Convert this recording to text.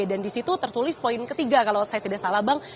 dan disitu tertulis poin ketiga kalau saya tidak salah bang